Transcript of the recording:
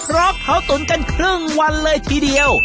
เพราะเขาตุ๋นกันครึ่งวันเลยทีเดียว